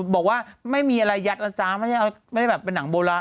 บอกว่าไม่มีอะไรยัดนะจ๊ะไม่ได้แบบเป็นหนังโบราณ